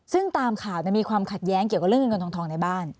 ซึ่งตามข่าวมีความขัดแย้งเกี่ยวกับเรื่องเงินเงินทองในบ้าน